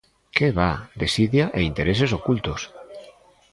¡Que va!, desidia e intereses ocultos.